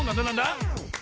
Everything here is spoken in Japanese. なんだ？